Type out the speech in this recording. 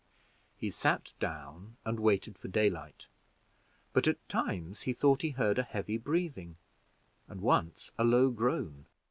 He sat down and waited for daylight, but at times he thought he heard a heavy breathing, and once a low groan.